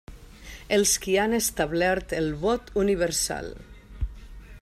Els qui han establert el vot universal.